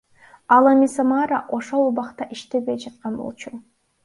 Ал эми Самара ошол убакта иштебей жаткан болчу.